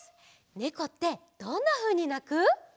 ねこってどんなふうになく？